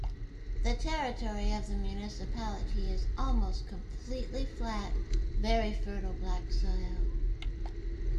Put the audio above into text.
The territory of the municipality is almost completely flat, very fertile black soil.